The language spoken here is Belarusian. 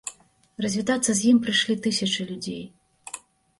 Развітацца з ім прыйшлі тысячы людзей.